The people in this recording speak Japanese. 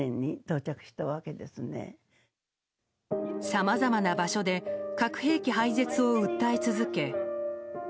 さまざまな場所で核兵器廃絶を訴え続け